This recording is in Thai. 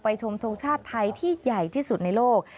ชมทรงชาติไทยที่ใหญ่ที่สุดในโลก